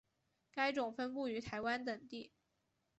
该种分布于台湾等地。